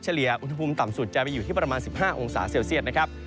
เลียอุณหภูมิต่ำสุดจะไปอยู่ที่ประมาณ๑๕องศาเซลเซียตนะครับ